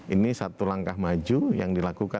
ini satu langkah maju yang dilakukan